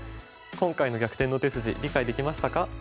今回の「逆転の手筋」理解できましたか？